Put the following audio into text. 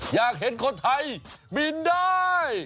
อยากเห็นคนไทยบินได้